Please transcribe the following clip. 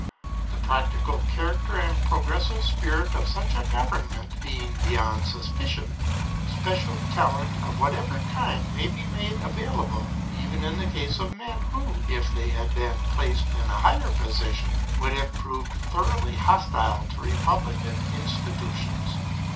The practical character and progressive spirit of such a government being beyond suspicion, special talent of whatever kind may be made available, even in the case of men who, if they had been placed in a higher position, would have proved thoroughly hostile to republican institutions.